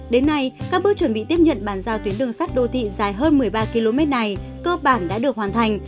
đến nay các bước chuẩn bị tiếp nhận bàn giao tuyến đường sắt đô thị dài hơn một mươi ba km này cơ bản đã được hoàn thành